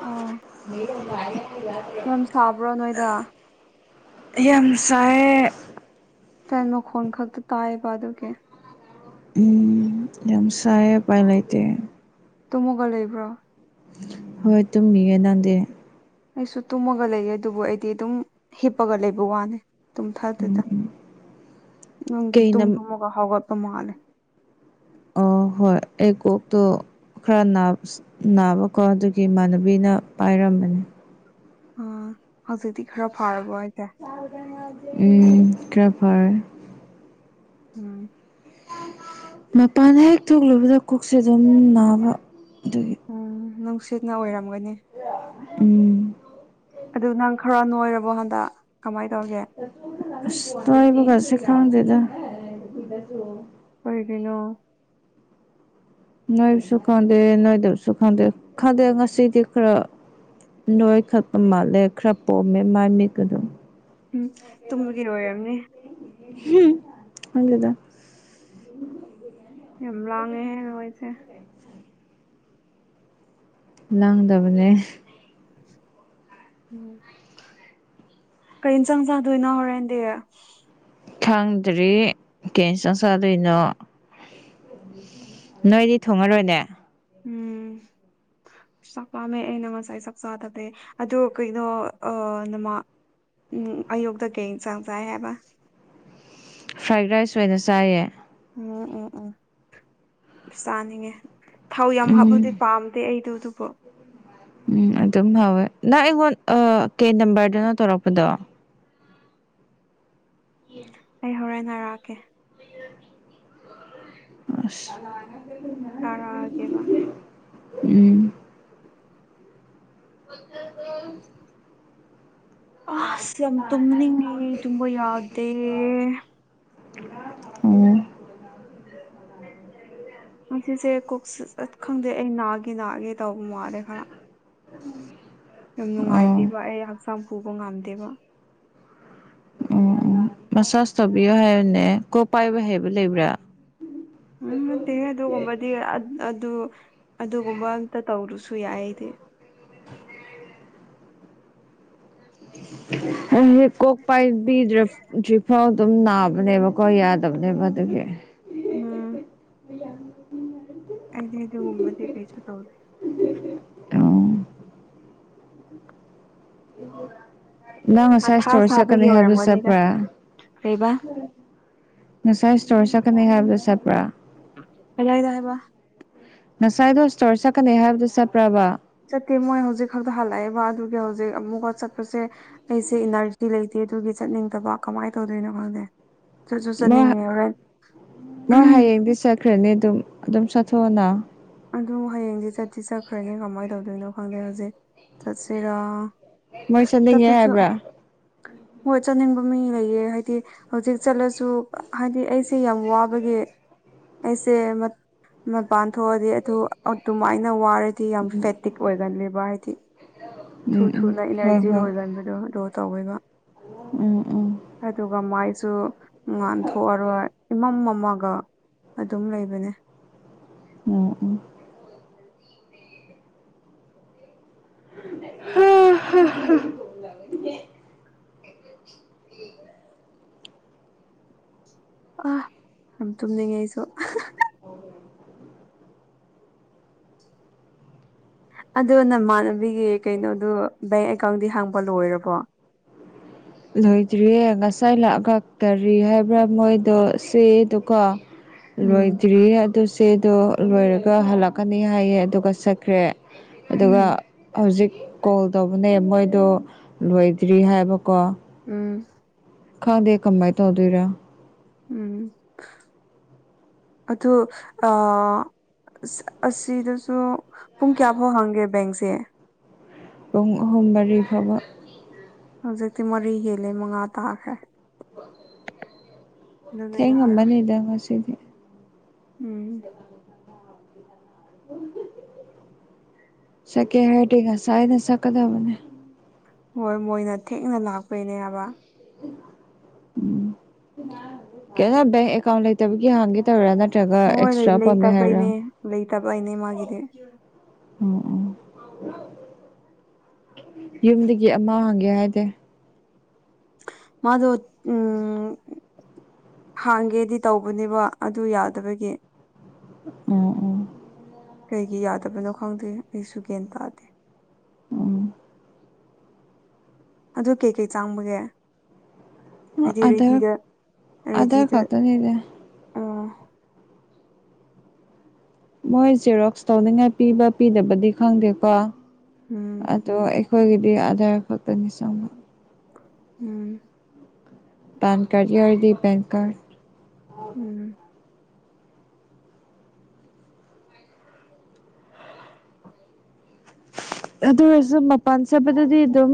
ꯑꯣ ꯌꯥꯝ ꯁꯥꯕ꯭ꯔꯣ ꯅꯣꯏꯗ ꯌꯥꯝꯁꯥꯏꯌꯦ ꯇꯦꯟ ꯃꯈꯣꯟ ꯈꯛꯇ ꯇꯥꯏꯌꯦꯕ ꯑꯗꯨꯒꯤ ꯎꯝ ꯌꯥꯝ ꯁꯥꯏꯌꯦ ꯎꯄꯥꯏ ꯂꯩꯇꯦ ꯇꯣꯃꯣꯒ ꯂꯩꯕ꯭ꯔꯣ ꯍꯣꯏ ꯇꯨꯝꯃꯤꯌꯦ ꯅꯟꯗꯦ ꯑꯩꯁꯨ ꯇꯨꯝꯃꯒ ꯂꯩꯌꯦ ꯑꯗꯨꯕꯨ ꯑꯩꯗꯤ ꯑꯗꯨꯝ ꯍꯤꯞꯄꯒ ꯂꯩꯕ ꯋꯥꯅꯤ ꯇꯨꯝꯊꯥꯗꯦꯗ ꯅꯨꯡꯗꯤ ꯇꯨꯝ ꯀꯩꯅ ꯇꯨꯝꯃꯒ ꯍꯥꯎꯒꯠꯄ ꯃꯥꯜꯂꯦ ꯑ ꯍꯣꯏ ꯑꯩ ꯀꯣꯛꯇꯣ ꯈꯔ ꯅꯥꯞꯁ ꯅꯥꯕꯀꯣ ꯑꯗꯨꯒꯤ ꯏꯃꯥꯟꯅꯕꯤꯅ ꯄꯥꯏꯔꯝꯕꯅꯤ ꯍꯧꯖꯤꯗꯤ ꯈꯔ ꯐꯥꯔꯔꯕꯣ ꯍꯥꯢꯁꯦ ꯎꯝ ꯀ ꯐꯔꯦ ꯎꯝ ꯃꯄꯥꯟ ꯍꯦꯛ ꯊꯣꯛꯂꯨꯕꯗ ꯀꯛꯁꯦ ꯑꯗꯨꯝ ꯅꯥꯕ ꯑꯗꯨꯒꯤ ꯎꯝ ꯅꯨꯡꯁꯤꯠꯅ ꯑꯣꯏꯔꯝꯒꯅꯤ ꯎꯝ ꯑꯗꯨ ꯅꯪ ꯈꯔ ꯅꯣꯏꯔꯕꯣ ꯍꯟꯗꯛ ꯀꯃꯥꯏ ꯇꯧꯔꯒꯦ ꯑꯁ ꯇꯣꯏꯕꯒꯁꯦ ꯈꯪꯗꯦꯗ ꯑꯣꯏꯒꯩꯅꯣ ꯅꯣꯏꯕꯁꯨ ꯈꯪꯗꯦ ꯅꯣꯏꯗꯕꯁꯨ ꯈꯪꯗꯦ ꯈꯪꯗꯦ ꯉꯁꯤꯗꯤ ꯈꯔ ꯅꯣꯏ ꯈꯠꯄ ꯃꯥꯜꯂꯦ ꯈꯔ ꯄꯣꯝꯃꯦ ꯃꯥꯏ ꯃꯤꯛ ꯑꯗꯨꯝ ꯎꯝ ꯇꯨꯝꯕꯒꯤ ꯑꯣꯏꯔꯝꯅꯤ ꯍꯨꯝ ꯈꯪꯗꯦꯗ ꯌꯥꯝ ꯂꯥꯡꯉꯦꯍꯦ ꯅꯣꯏꯁꯦ ꯂꯥꯡꯗꯕꯅꯦ ꯎꯝ ꯀꯩ ꯏꯟꯖꯥꯡ ꯆꯥꯗꯣꯏꯅꯣ ꯍꯣꯔꯦꯟꯗꯤ ꯊꯥꯡꯗ꯭ꯔꯤ ꯀꯩ ꯢꯟꯆꯪ ꯆꯥꯗꯣꯏꯅꯣ ꯅꯣꯏꯗꯤ ꯊꯣꯡꯉꯔꯣꯏꯅꯦ ꯎꯝ ꯆꯥꯛ ꯄꯥꯝꯃꯦ ꯑꯩꯅ ꯉꯁꯥꯏ ꯆꯥꯛꯆꯥꯥꯊꯕꯩ ꯑꯗꯨ ꯀꯩꯅꯣ ꯑ ꯅꯃꯥ ꯎꯝ ꯑꯌꯨꯛꯇ ꯀꯩ ꯆꯥꯡ ꯆꯥꯏ ꯍꯥꯏꯕ ꯐ꯭ꯔꯥꯏꯠ ꯔꯥꯏꯁ ꯑꯣꯏꯅ ꯆꯥꯏꯌꯦ ꯎꯝ ꯎꯝ ꯎꯝ ꯆꯥꯅꯤꯡꯉꯦ ꯊꯥꯎ ꯌꯥꯝ ꯍꯥꯞꯄꯗꯤ ꯎꯝ ꯄꯥꯝꯗꯦ ꯑꯩꯗꯣ ꯑꯗꯨꯕꯨ ꯎꯝ ꯑꯗꯨꯝ ꯍꯥꯎꯋꯦ ꯅꯪ ꯑꯩꯉꯣꯟ ꯑ ꯀꯦ ꯅꯝꯕꯔꯗꯅꯣ ꯇꯧꯔꯛꯄꯗꯣ ꯌꯦ ꯑꯩ ꯍꯣꯔꯦꯟ ꯅꯥꯔꯛꯑꯀꯦ ꯑꯁ ꯊꯥꯔꯛꯑꯒꯦꯕ ꯎꯝ [unintelligible] ꯑꯁ ꯌꯥꯝ ꯇꯨꯝꯅꯤꯡꯉꯦ ꯇꯨꯝꯕ ꯌꯥꯗꯦ ꯎꯝ ꯁꯤꯁꯦ ꯀꯣꯛ ꯈꯪꯗꯦ ꯑꯩ ꯅꯥꯒꯦ ꯅꯥꯒꯦ ꯇꯧꯕ ꯃꯥꯂꯦ ꯈꯔ ꯌꯥꯝ ꯑꯣ ꯅꯨꯡꯉꯥꯏꯇꯦꯕ ꯑꯩ ꯍꯛꯆꯥꯡ ꯄꯨꯕ ꯉꯝꯗꯦꯕ ꯎꯝ ꯎꯝ ꯃꯆꯥꯖ ꯇꯧꯕꯤꯌꯣ ꯍꯥꯏꯕꯅꯦ ꯀꯣ ꯄꯥꯏꯕ ꯍꯥꯏꯕ ꯂꯩꯕ꯭ꯔꯥ ꯎꯝ ꯅꯠꯇꯦ ꯑꯗꯨꯒꯨꯝꯕꯗꯤ ꯑꯗꯨ ꯑꯗꯨꯒꯨꯝꯕ ꯑꯝꯇ ꯇꯧꯔꯨꯁꯨ ꯌꯥꯏꯗꯤ ꯍ ꯀꯣꯛ ꯄꯥꯏꯕꯤꯔꯤꯐꯥꯎ ꯑꯗꯨꯝ ꯅꯥꯕꯅꯦꯕꯀꯣ ꯌꯥꯗꯕꯅꯦꯕ ꯑꯗꯨꯒꯤ ꯎꯝ ꯑꯩ ꯌꯥ ꯑꯗ ꯑꯗꯨꯗꯦ ꯎ ꯃꯗꯤꯦ ꯀꯩꯁꯨ ꯇꯧꯗꯦ ꯑꯣ ꯅꯪ ꯃꯊꯥ ꯉꯁꯥꯏꯁꯇꯔ ꯁꯥꯕꯒꯤ ꯆꯠꯀꯅꯤ ꯍꯥꯏꯕꯗꯨ ꯑꯣꯏꯔꯝꯒꯅꯤꯗ ꯆꯠꯄ꯭ꯔꯥ ꯀꯩꯕ ꯉꯁꯥꯏ ꯏꯁ꯭ꯇꯣꯔ ꯆꯠꯀꯅꯤ ꯍꯥꯏꯕꯗꯨꯣ ꯆꯠꯄ꯭ꯔꯥ ꯀ ꯌꯥ ꯍꯥꯏꯗ ꯍꯥꯏꯕ ꯉꯁꯥꯏꯗꯣ ꯏꯁꯇꯣꯔ ꯆꯠꯀꯅꯤ ꯍꯥꯏꯕꯗꯨꯣ ꯆꯠꯄ꯭ꯔꯕ ꯆꯠꯇꯦ ꯃꯣꯏ ꯍꯧꯖꯤꯛ ꯈꯛꯇ ꯍꯜꯂꯛꯑꯦꯕ ꯑꯗꯨꯒꯤ ꯍꯧꯖꯤꯛ ꯑꯃꯨꯛꯀ ꯆꯠꯄꯁꯦ ꯑꯩꯁꯦ ꯏꯅꯔꯖꯤ ꯂꯩꯇꯦ ꯑꯗꯨꯒꯤ ꯆꯠꯅꯤꯡꯗꯕ ꯀꯃꯥꯏꯅ ꯇꯧꯗꯣꯏꯅꯣ ꯈꯪꯗꯦ ꯆꯠꯁꯨꯠ ꯃꯣꯏ ꯆꯠꯅꯤꯡꯉꯦ ꯍꯔꯦꯟ ꯈ꯭ꯔꯅꯤ ꯑꯗꯨꯝ ꯑꯗꯨꯝ ꯆꯥꯊꯣꯛꯑꯅ ꯑꯗꯨ ꯍꯌꯦꯡꯗꯤ ꯆꯠꯁꯤ ꯆꯠꯈ꯭ꯔꯅꯤ ꯀꯃꯥꯏꯅ ꯇꯧꯗꯣꯏꯅꯣ ꯈꯪꯗꯦ ꯍꯧꯖꯤꯛ ꯆꯠꯁꯤꯔꯥ ꯃꯣꯏ ꯆꯠꯅꯤꯡꯉꯦ ꯆꯄꯁꯨ ꯍꯥꯏꯕ꯭ꯔꯥ ꯍꯣꯏ ꯆꯠꯅꯤꯡꯕ ꯃꯤ ꯂꯩꯌꯦ ꯍꯥꯏꯗꯤ ꯍꯧꯖꯤꯛ ꯆꯠꯂꯁꯨ ꯍꯥꯏꯗꯤ ꯑꯩꯁꯦ ꯌꯥꯝ ꯋꯥꯕꯒꯤ ꯑꯦꯁꯦ ꯃ ꯃꯄꯥꯟꯊ ꯑꯗꯨ ꯑꯗꯨꯃꯥꯏꯅ ꯋꯥꯔꯗꯤ ꯌꯥꯝ ꯐꯦꯇꯤꯛ ꯑꯣꯏꯒꯂꯦꯕ ꯍꯥꯏꯗꯤ ꯑ ꯊꯨ ꯊꯨꯅ ꯏꯅꯔꯖꯤ ꯂꯣꯏꯒꯟꯕꯗꯣ ꯑꯣ ꯇꯧꯋꯦꯕ ꯎꯝ ꯎꯝ ꯑꯗꯨꯒ ꯃꯥꯏ ꯁꯨ ꯉꯥꯟꯊꯣꯛꯑꯔꯣꯏ ꯏꯃꯝ ꯑꯃꯒ ꯑꯗꯨꯝ ꯂꯩꯕꯅꯦ ꯎꯝ ꯎ ꯍꯝ ꯎ ꯑ ꯌꯥꯝ ꯇꯨꯝꯅꯤꯡꯉꯦ ꯑꯩꯁꯨ ꯑꯗꯣ ꯅꯃꯥꯟꯅꯕꯤꯒꯤ ꯀꯩꯅꯣꯗꯨ ꯕꯦꯡ ꯑꯦꯀꯥꯎꯟꯗꯤ ꯍꯥꯡꯕ ꯂꯣꯏꯔꯕꯣ ꯂꯣꯏꯗ꯭ꯔꯤꯌꯦ ꯉꯁꯥꯏ ꯂꯥꯛ ꯈꯥꯛꯛꯇꯔꯤ ꯍꯥꯏꯕ꯭ꯔꯥ ꯃꯣꯏꯗꯣ ꯁꯤ ꯑꯗꯨꯒꯀꯣ [inaudible] ꯂꯣꯏꯗ꯭ꯔꯤꯌꯦ ꯑꯗꯨ ꯆꯦꯗꯣ ꯂꯣꯏꯔꯒ ꯍꯜꯂꯛꯀꯅꯤ ꯍꯥꯏꯌꯦ ꯑꯗꯨꯒ ꯆꯠꯈ꯭ꯔꯦ ꯎꯝ ꯑꯗꯨꯒ ꯍꯧꯖꯤꯛ ꯀꯣꯜ ꯇꯧꯕꯅꯦ ꯃꯣꯏꯗꯣ ꯂꯣꯏꯗ꯭ꯔꯤ ꯍꯥꯏꯕꯀꯣ ꯎꯝ ꯈꯥꯗꯦ ꯀꯃꯥꯏ ꯇꯧ ꯑꯗꯨꯔ ꯎꯝ ꯑꯗꯨ ꯑ ꯑ ꯑꯁꯤꯗꯁꯨ ꯄꯨꯡ ꯀꯌꯥ ꯐꯥꯎ ꯍꯪꯒꯦ ꯕꯦꯡꯁꯦ ꯍꯣꯝꯕꯔꯤ ꯐꯕ ꯍꯧꯖꯤꯛꯇꯤ ꯃꯔꯤ ꯍꯦꯜꯂꯦ ꯃꯉꯥ ꯇꯥꯈ꯭ꯔꯦ ꯑꯗꯨꯅ ꯌꯥꯔꯣꯏ ꯊꯦꯡꯉꯝꯕꯅꯤ ꯏꯪ ꯁꯤꯗ ꯎꯝ ꯎ ꯁꯀꯦ ꯍꯥꯏꯒ ꯁꯥꯏꯅ ꯁꯀꯗꯕꯅꯦ ꯍꯣꯏ ꯃꯣꯏꯅ ꯊꯦꯡꯅ ꯂꯥꯛꯄꯩꯅꯦ ꯍꯥꯏꯕ ꯀꯅ ꯦꯡꯀ ꯑꯦꯀꯥꯎꯟ ꯂꯩ ꯇꯕꯒꯤ ꯍꯥꯡꯒꯦ ꯅꯠꯇꯧꯔꯥ ꯅꯠꯇ꯭ꯔꯒ ꯑꯦꯛꯁꯇ꯭ꯔꯥ ꯄꯥꯝꯃꯦ ꯍꯥꯏꯔ ꯂꯩꯩ ꯇꯕ ꯏꯅꯦ ꯃꯥꯗꯤꯦ ꯎꯝ ꯎꯝ ꯌꯨꯝꯗꯒꯤ ꯑꯃ ꯍꯪꯒꯦ ꯍꯥꯏꯗꯤꯦ ꯃꯥꯗꯨ ꯎꯝ ꯍꯥꯡꯒꯦꯗꯤ ꯇꯧꯕꯅꯦꯕ ꯑꯗꯨ ꯌꯥꯗꯕꯒꯤ ꯎꯝ ꯎꯝ ꯀꯩꯒꯤ ꯌꯥꯗꯕꯅꯣ ꯈꯪꯗꯦ ꯑꯩꯁꯨ ꯒ꯭ꯌꯥꯟ ꯇꯥꯗꯦ ꯎꯝ ꯑꯗꯨ ꯀꯩꯀꯩ ꯆꯥꯡꯕꯒꯦ ꯑꯣ ꯍꯥꯏꯗꯤ ꯑꯙꯔ ꯔꯦꯗꯤꯗ ꯔꯦꯗꯤꯗ [unintelligible] ꯑꯣ ꯃꯣꯏ ꯖꯦꯔꯣꯛꯁ ꯇꯧꯅꯤꯡꯉꯥꯏ ꯄꯤꯕ ꯄꯤꯗꯕꯗꯤ ꯈꯪꯗꯦꯀꯣ ꯑ ꯎꯝ ꯑꯗꯣ ꯑꯩꯈꯣꯏꯒꯤꯗꯤ ꯑꯙꯥꯔ ꯈꯛꯇꯅꯤ ꯆꯪꯕ ꯎꯝ ꯄꯥꯟ ꯀꯥꯔꯠ ꯌꯥꯎꯔꯗꯤ ꯄꯦꯟ ꯀꯥꯔꯠ ꯎꯝ ꯑꯗꯨ ꯑꯣꯏꯔꯁꯨ ꯃꯄꯥꯟ ꯆꯠꯄꯗꯗꯤ ꯑꯗꯨꯝ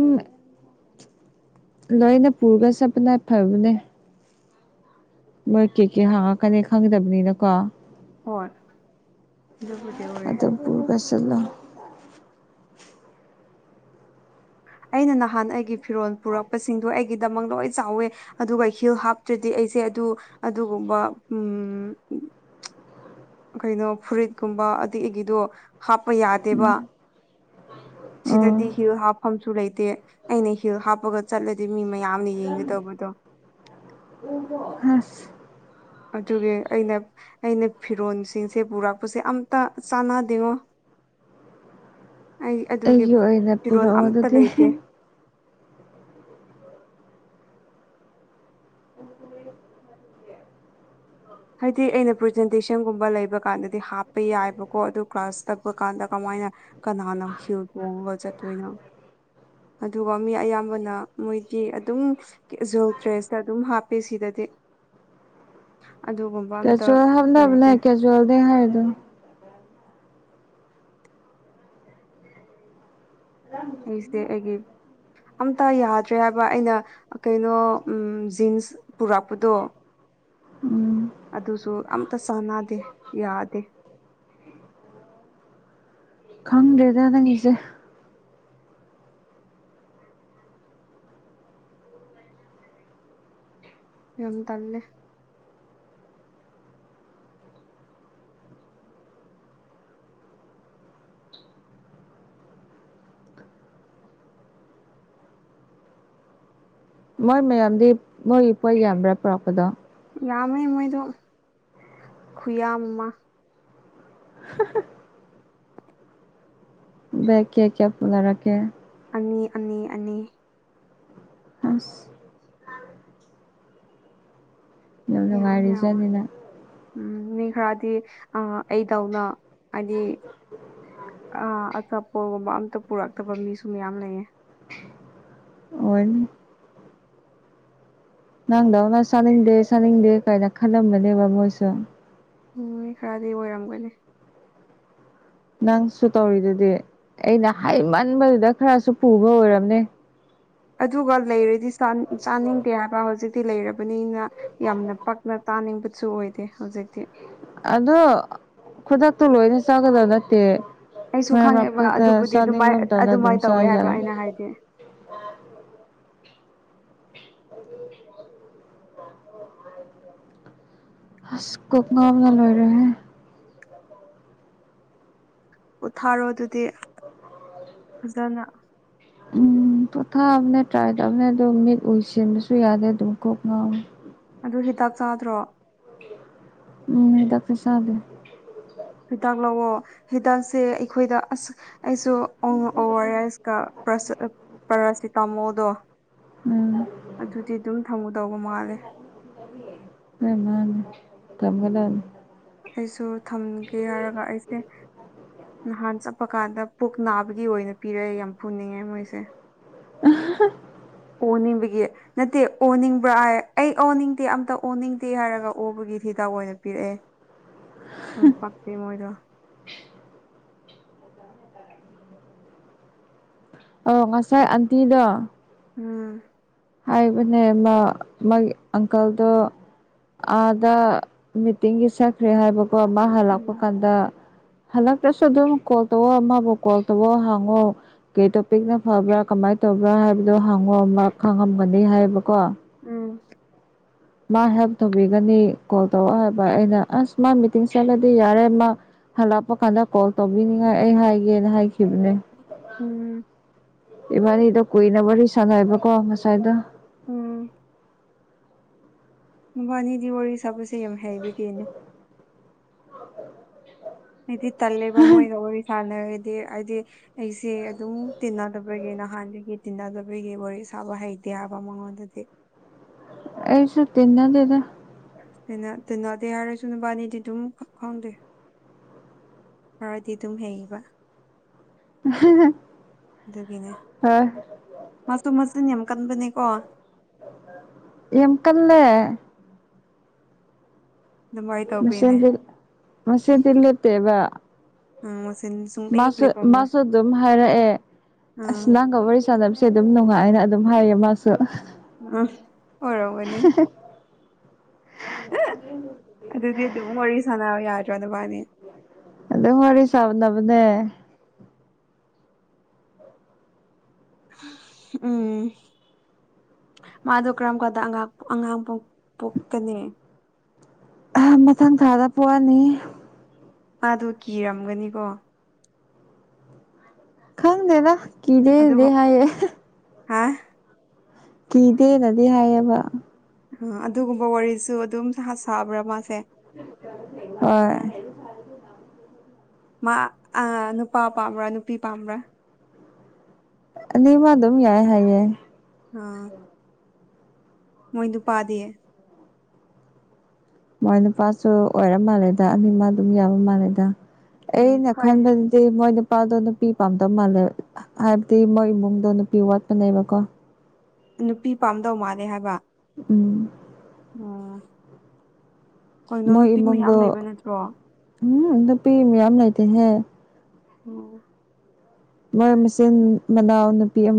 ꯂꯣꯏꯅ ꯄꯨꯔꯒ ꯆꯠꯄꯅ ꯐꯕꯅꯦ ꯃꯣꯏ ꯀꯦꯛ ꯀꯦ ꯍꯪꯉꯛꯀꯅꯤ ꯈꯪꯗꯕꯅꯤꯅ ꯀꯣ ꯍꯣꯏ ꯑꯗꯨꯕꯨꯗꯤ ꯑꯣꯏꯔꯦ ꯑꯗꯨꯝ ꯄꯨꯔꯒ ꯆꯠꯂꯣ ꯑꯩꯅ ꯅꯍꯥꯟ ꯑꯩꯒꯤ ꯐꯤꯔꯣꯜ ꯄꯨꯔꯛꯄꯁꯤꯡꯗꯣ ꯑꯩꯒꯤꯗꯃꯛ ꯂꯣꯏ ꯆꯥꯎꯋꯦ ꯑꯗꯨꯒ ꯍꯤꯜ ꯍꯥꯞꯇ꯭ꯔꯗꯤ ꯑꯩꯁꯦ ꯑꯗꯨ ꯑꯗꯨꯒꯨꯝꯕ ꯎꯝ ꯀꯩꯅꯣ ꯐꯨꯔꯤꯠꯀꯨꯝꯕ ꯑꯗꯤ ꯑꯩꯒꯤꯗꯨ ꯍꯥꯞꯄ ꯌꯥꯗꯦꯕ ꯑꯣ ꯁꯤꯗꯗꯤ ꯍꯤꯜ ꯍꯥꯞꯐꯝꯁꯨ ꯂꯩꯇꯦ ꯑꯩꯅ ꯍꯤꯜ ꯍꯥꯞꯄꯒ ꯆꯠꯂꯗꯤ ꯃꯤ ꯃꯌꯥꯝꯅ ꯌꯦꯡꯒꯗꯧꯕꯗꯣ [unintelligible] ꯑꯗꯨꯒꯤ ꯑꯩꯅ ꯑꯩꯅ ꯐꯤꯔꯣꯜꯁꯤꯡꯁꯦ ꯄꯨꯔꯛꯄꯁꯦ ꯑꯝꯇ ꯆꯥꯟꯅꯗꯦꯉꯣ ꯑꯩ ꯑꯗꯨꯒꯤ ꯑꯩꯒꯤ ꯑꯣꯏꯅ ꯐꯤꯔꯣꯜ ꯄꯨꯔꯛꯑꯣ ꯑꯝꯇ ꯑꯗꯨꯗꯤ ꯂꯩꯇꯦ [unintelligible] ꯍꯥꯏꯗꯤ ꯑꯩꯅ ꯄ꯭ꯔꯖꯦꯟꯇꯦꯁꯟꯒꯨꯝꯕ ꯂꯩꯕ ꯀꯥꯟꯗꯗꯤ ꯍꯥꯞꯄ ꯌꯥꯏꯕꯀꯣ ꯑꯗꯨ ꯀ꯭ꯂꯥꯁ ꯇꯄ ꯀꯥꯟꯗ ꯀꯃꯥꯏꯅ ꯀꯅꯥꯅ ꯍꯤꯜ ꯇꯣꯡꯉꯒ ꯆꯠꯇꯣꯏꯅꯣ ꯑꯗꯨꯒ ꯃꯤ ꯑꯌꯥꯝꯕꯅ ꯃꯣꯏꯗꯤ ꯑꯗꯨꯝ ꯀꯦꯖ꯭ꯋꯦꯜ ꯗ꯭ꯔꯦꯁꯇ ꯑꯗꯨꯝ ꯍꯥꯞꯄꯦ ꯁꯤꯗꯗꯤ ꯑꯗꯨꯒꯨꯝ ꯀꯦꯖ꯭ꯋꯦꯜ ꯍꯥꯞꯅꯕꯅꯦ ꯀꯦꯖ꯭ꯋꯦꯜ ꯗꯦ ꯍꯥꯏꯗꯣ [unintelligible] ꯑꯩꯁꯦ ꯑꯩꯒꯤ ꯑꯝꯇ ꯌꯥꯗ꯭ꯔꯦ ꯍꯥꯏꯕ ꯑꯩꯅ ꯀꯩꯅꯣ ꯎꯝ ꯖꯤꯟꯁ ꯄꯨꯔꯛꯄꯗꯨ ꯎꯝ ꯑꯗꯨꯁꯨ ꯑꯝꯇ ꯆꯥꯟꯅꯗꯦ ꯌꯥꯗꯦ ꯈꯪꯗꯦꯗ ꯅꯪꯒꯤꯁꯦ ꯌꯥꯝ ꯇꯜꯂꯦ ꯃꯣꯏ ꯃꯌꯥꯝꯗꯤ ꯃꯣꯏ ꯏꯄꯣꯏ ꯌꯥꯝꯕ꯭ꯔꯥ ꯄꯨꯔꯛꯄꯗꯣ ꯌꯥꯝꯃꯦ ꯃꯣꯏꯗꯣ ꯈꯨꯌꯥꯝ ꯑꯃ ꯍ [unintelligible] ꯕꯦꯛ ꯀꯌꯥ ꯀꯌꯥ ꯄꯨꯅꯔꯛꯀꯦ ꯑꯅꯤ ꯑꯅꯤ ꯑꯅꯤ ꯑꯁ ꯌꯥꯝ ꯌꯥꯝ ꯎꯝ ꯃꯤ ꯈꯔꯗꯤ ꯑ ꯑꯩꯗꯧꯅ ꯍꯥꯏꯗꯤ ꯑ ꯑꯆꯥꯄꯣꯒꯨꯝꯕ ꯑꯝꯇ ꯄꯨꯔꯛꯇꯕ ꯃꯤꯁꯨ ꯃꯌꯥꯝ ꯂꯩꯌꯦ ꯑꯣꯏꯟ [unintelligible] ꯅꯪꯗꯧꯅ ꯆꯥꯅꯤꯡꯗꯦ ꯆꯥꯅꯤꯡꯗꯦ ꯀꯥꯏꯅ ꯈꯜꯂꯝꯒꯅꯦꯕ ꯃꯣꯏꯁꯨ ꯎꯝ ꯃꯤ ꯈꯔꯗꯤ ꯑꯣꯏꯔꯝꯒꯅꯤ ꯅꯪꯁꯨ ꯇꯧꯔꯤꯗꯨꯗꯤ ꯑꯩꯅ ꯍꯥꯏꯃꯟꯕꯗꯨꯗ ꯈꯔꯁꯨ ꯄꯨꯕ ꯑꯣꯏꯔꯝꯅꯦ ꯑꯗꯨꯒ ꯂꯩꯔꯗꯤ ꯆꯥꯅꯤꯡꯗꯦ ꯍꯥꯏꯕ ꯍꯧꯖꯤꯛꯇꯤ ꯂꯩꯔꯕꯅꯤꯅ ꯌꯥꯝꯅ ꯄꯛꯅ ꯇꯥꯅꯤꯡꯕꯁꯨ ꯑꯣꯏꯗꯦ ꯍꯧꯖꯤꯛꯇꯤ ꯑꯗꯣ ꯈꯨꯗꯛꯇꯣ ꯂꯣꯏꯅ ꯆꯥꯒꯗꯕ ꯅꯠꯇꯦ ꯑꯩꯁꯨ ꯈꯪꯉꯦꯕ ꯃꯥꯛꯀ ꯑꯗꯨꯕꯨꯗꯤ ꯁꯂ ꯑꯗꯨꯝꯁ ꯌꯥꯔꯦ ꯍꯥꯏꯗꯤꯦ ꯑꯁ ꯀꯀꯅꯥ ꯅ ꯂꯣꯏꯔꯦ ꯄꯣꯠꯊꯥꯔꯣ ꯑꯗꯨꯗꯤ ꯐꯖꯅ ꯎꯝ ꯄꯣꯊꯥꯕꯅꯦ ꯇ꯭ꯔꯥꯏ ꯇꯕꯅꯦ ꯑꯗꯨꯝ ꯃꯤꯠ ꯎꯏꯁꯤꯟꯕꯁꯨ ꯌꯥꯗꯦ ꯑꯗꯨꯝ ꯀꯣꯛ ꯉꯥꯎ ꯑꯗꯨ ꯍꯤꯗꯥꯛ ꯆꯥꯗ꯭ꯔꯣ ꯎꯝ ꯗꯥꯛꯇꯔ ꯁꯥꯕꯦ ꯍꯤꯗꯥꯛ ꯂꯥꯛꯑꯣ ꯍꯤꯗꯥꯛꯁꯦ ꯑꯩꯈꯣꯏꯗ ꯑꯁ ꯑꯩꯁꯨ ꯑꯣ ꯑꯣ ꯑꯥꯔ ꯑꯦꯁꯀ ꯄ꯭ꯔꯥꯁꯤꯇꯥꯃꯣꯗꯣ ꯎꯝ ꯑꯗꯨꯗꯤ ꯑꯗꯨꯝ ꯊꯝꯃꯨ ꯇꯧꯕ ꯃꯥꯜꯂꯦ ꯅꯣꯏꯃꯥꯅ ꯇꯝꯒꯂꯅꯤ ꯑꯩꯁꯨ ꯊꯝꯒꯦ ꯍꯥꯏꯔꯒ ꯑꯩꯁꯦ ꯅꯍꯥꯟ ꯆꯠꯄ ꯀꯥꯟꯗ ꯄꯨꯛ ꯅꯥꯕꯒꯤ ꯑꯣꯏꯅ ꯄꯤꯔꯛꯑꯦ ꯌꯥꯝ ꯐꯨꯅꯤꯡꯉꯦ ꯃꯣꯏꯁꯦ ꯑꯥꯍꯍ ꯑꯣꯅꯤꯡꯕꯒꯤ ꯅꯠꯇꯦ ꯑꯣꯅꯤꯡꯕ꯭ꯔꯥ ꯍꯥꯏ ꯑꯩ ꯑꯣꯅꯤꯡꯗꯦ ꯑꯝꯇ ꯑꯣꯅꯤꯡꯗꯦ ꯍꯥꯏꯔꯒ ꯑꯣꯕꯒꯤ ꯍꯤꯗꯥꯛ ꯑꯣꯏꯅ ꯄꯤꯔꯛꯑꯦ ꯌꯥꯝ ꯄꯛꯇꯦ ꯃꯣꯏꯗꯣ [inaudible] [inaudible] ꯑꯧ ꯉꯁꯥꯏ ꯑꯟꯇꯤꯗꯣ ꯎꯝ ꯍꯥꯏꯕꯅꯦ ꯃꯥ ꯃꯥꯒꯤ ꯑꯪꯀꯜꯗꯣ ꯑꯥꯗ ꯃꯤꯇꯤꯡꯒꯤ ꯁꯛꯈ꯭ꯔꯦ ꯍꯥꯏꯕꯀꯣ ꯑꯃ ꯍꯜꯂꯛꯄ ꯎꯝ ꯀꯥꯟꯗ ꯍꯜꯗꯛꯇꯁꯨ ꯑꯗꯨꯝ ꯀꯣꯜ ꯇꯧ ꯑꯃꯕꯨ ꯀꯣꯜ ꯇꯧꯣ ꯍꯥꯡꯉꯣ ꯀꯩ ꯇꯣꯄꯤꯛꯅ ꯐꯕ꯭ꯔꯥ ꯀꯃꯥꯏꯅ ꯇꯧꯕ꯭ꯔꯥ ꯍꯥꯏꯕꯗꯣ ꯍꯉ ꯈꯪꯉꯝꯒꯅꯤ ꯍꯥꯏꯌꯦꯕꯀꯣ ꯎꯝ ꯃꯥ ꯍꯦꯜꯞ ꯇꯧꯕꯤꯒꯅꯤ ꯀꯣꯜ ꯇꯧꯔ ꯍꯥꯏꯕ ꯑꯩꯅ ꯑꯁ ꯃꯥ ꯃꯤꯇꯤꯡ ꯆꯠꯂꯗꯤ ꯌꯥꯔꯦ ꯃꯥ ꯍꯜꯂꯛꯄ ꯀꯥꯟꯗ ꯀꯣꯜ ꯇꯧꯕꯤꯅꯤꯡꯉꯥꯏ ꯑꯩ ꯍꯥꯏꯒꯦꯅ ꯍꯥꯏꯈꯤ ꯅꯦ ꯎꯝ ꯏꯃ ꯏꯗꯣ ꯀꯨꯏ ꯅꯕ ꯆꯅ ꯍꯥꯏꯕ ꯀꯣ ꯉꯁꯥꯏꯗꯣ ꯎꯝ ꯃꯕꯥꯅꯤꯗꯤ ꯋꯥꯔꯤ ꯁꯥꯕꯁꯦ ꯌꯥꯝ ꯍꯩꯕꯒꯤꯅꯤ [unintelligible] ꯍꯥꯏꯗꯤ ꯇꯜꯂꯦꯕ ꯃꯣꯏꯒ ꯋꯥꯔꯤ ꯁꯥꯟꯅꯔꯗꯤ ꯍꯥꯏꯗꯤ ꯑꯩꯁꯦ ꯑꯗꯨꯝ ꯇꯤꯟꯅꯗꯕꯒꯤ ꯅꯍꯥꯟꯗꯒꯤ ꯇꯤꯟꯅꯗꯕꯒꯤ ꯋꯥꯔꯤ ꯁꯥꯕ ꯍꯩꯇꯦ ꯍꯥꯏꯕ ꯃꯉꯣꯟꯗꯗꯤ ꯑꯩꯁꯨ ꯇꯤꯟꯅꯗꯦꯗ ꯑꯩꯅ ꯇꯤꯟꯅꯗꯦ ꯍꯥꯏꯔꯁꯨ ꯅꯨꯕꯥꯅꯤꯗꯤ ꯑꯗꯨꯝ ꯈꯪꯗꯦ ꯈꯔꯗꯤ ꯑꯗꯨꯝ ꯍꯩꯕ ꯑꯗꯨꯒꯤꯅꯦ ꯍꯣꯏ ꯃꯥꯁꯨ ꯃꯆꯤꯟ ꯌꯥꯝ ꯀꯟꯕꯅꯦꯀꯣ ꯌꯥꯝ ꯀꯜꯂꯦ ꯑꯗꯨꯃꯥꯏꯅ ꯇꯧꯕꯤꯅꯦ ꯃꯁꯦꯜꯗꯤ ꯃꯁꯦꯜꯗꯤ ꯂꯦꯞꯇꯦꯕ ꯑ ꯃꯆꯤꯟꯁꯨ ꯃꯥꯁꯨ ꯃꯥꯁꯨ ꯑꯗꯨꯝ ꯍꯥꯏꯔꯛꯑꯦ ꯎꯝ ꯑꯁ ꯅꯪꯒ ꯋꯥꯔꯤ ꯁꯟꯅꯕꯁꯦ ꯁꯦ ꯑꯗꯨꯝ ꯅꯨꯡꯉꯥꯏꯅ ꯑꯗꯨꯝ ꯍꯥꯏꯌꯦ ꯃꯥꯁꯨ ꯎꯝ ꯑꯣꯏꯔꯝꯒꯅꯤ ꯑꯗꯨꯗꯤ ꯑꯗꯨꯝ ꯋꯥꯔꯤ ꯁꯥꯟꯅꯔꯣ ꯌꯥꯗ꯭ꯔꯣ ꯅꯕꯥꯅꯤ ꯑꯗꯨꯝ ꯋꯥꯔꯤ ꯁꯥꯟꯅꯕꯅꯦ ꯎꯝ ꯃꯥꯗꯣ ꯀꯔꯝ ꯀꯥꯟꯗ ꯑꯉꯥ ꯑꯉꯥꯡ ꯄꯣꯛ ꯄꯣꯛꯀꯅꯤ ꯑꯍ ꯃꯊꯪ ꯊꯥꯗ ꯄꯣꯛꯑꯅꯤ ꯃꯥꯗꯣ ꯀꯤꯔꯝꯒꯅꯤꯀꯣ ꯈꯪꯗꯦꯗ ꯀꯤꯗꯦꯗꯤ ꯍꯥꯏꯌꯦ ꯍꯥꯥ ꯀꯤꯗꯦꯅꯗꯤ ꯍꯥꯏꯌꯦꯕ ꯑ ꯑꯗꯨꯒꯨꯝꯕ ꯋꯥꯔꯤꯁꯨ ꯑꯗꯨꯝ ꯁꯥ ꯁꯥꯕ꯭ꯔꯥ ꯃꯥꯁꯦ ꯍꯣꯏ ꯃꯥ ꯑ ꯅꯨꯄꯥ ꯄꯥꯝꯕ꯭ꯔꯥ ꯅꯨꯄꯤ ꯄꯥꯝꯕ꯭ꯔꯥ ꯑꯅꯤꯃꯛ ꯑꯗꯨꯝ ꯌꯥꯏ ꯍꯥꯏꯌꯦ ꯑ ꯃꯣꯏ ꯅꯨꯄꯗꯤ ꯃꯣꯏ ꯅꯨꯄꯥꯁꯨ ꯑꯣꯏꯔ ꯃꯥꯜꯂꯦꯗ ꯑꯅꯤꯃ ꯑꯗꯨꯝ ꯌꯥꯕ ꯃꯥꯜꯂꯦꯗ ꯎꯝ ꯑꯩꯅ ꯍꯣꯏ ꯈꯟꯕ ꯁꯤ ꯃꯣꯏ ꯅꯨꯄꯥꯗꯣ ꯅꯨꯄꯤ ꯄꯥꯝꯗꯕ ꯃꯥꯜꯂꯦ ꯍꯥꯏꯕꯗꯤ ꯃꯣꯏ ꯏꯃꯨꯡꯗꯣ ꯅꯨꯄꯤ ꯋꯥꯠꯄꯅꯦꯕꯀꯣ ꯅꯨꯄꯤ ꯄꯥꯝꯗꯧ ꯃꯥꯜꯂꯦ ꯍꯥꯏꯕ ꯎꯝ ꯑꯣ ꯀꯩꯅꯣ ꯃꯣꯏ ꯅꯨꯄꯤ ꯃꯌꯥꯝ ꯏꯃꯨꯡꯗꯣ ꯂꯩꯕ ꯅꯠꯇ꯭ꯔꯣ ꯎꯝ ꯅꯨꯄꯤ ꯃꯌꯥꯝ ꯂꯩꯇꯦꯍꯦ ꯑꯣ ꯃꯣꯏ ꯃꯆꯤꯟ ꯃꯅꯥꯎ ꯅꯨꯄꯤ